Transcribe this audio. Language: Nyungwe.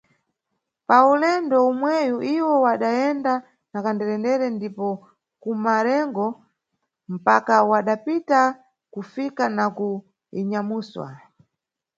Pa ulendo umweyu iwo wadayenda na kanderendere ndipo "kuMarengo" mpaka wadapita kufika na ku "Inyamuswa".